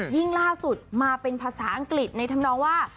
ล่าสุดมาเป็นภาษาอังกฤษในธรรมนองว่า